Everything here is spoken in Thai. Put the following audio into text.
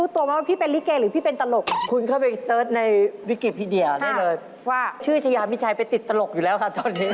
ทุกคนไม่ได้คิดว่าพี่เป็นลี้เกย์แล้วอะ